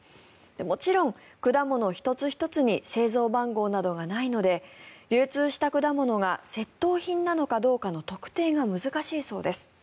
もちろん果物１つ１つに製造番号などはないので流通した果物が窃盗品なのかどうかの特定が難しいそうです。